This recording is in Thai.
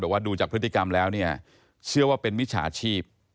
ว่าดูจากพฤติกรรมแล้วเนี่ยเชื่อว่าเป็นมิจฉาชีพ